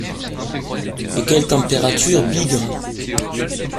Et quelle température, bigre!